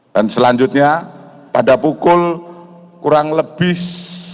dan selanjutnya pada pukul kurang lebih dua puluh satu lima belas